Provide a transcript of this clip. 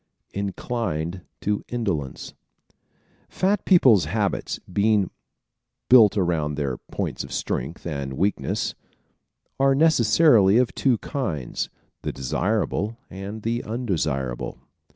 Inclined to Indolence ¶ Fat people's habits, being built around their points of strength and weakness, are necessarily of two kinds the desirable and the undesirable.